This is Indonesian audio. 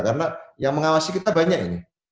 karena yang mengawasi kita banyak ini